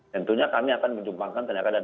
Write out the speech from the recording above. tentunya kami akan menjumpangkan tenaga dan